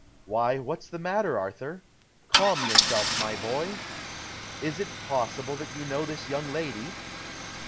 "Why, what's the matter, Arthur? Calm yourself, my boy. Is it possible that you know this young lady?"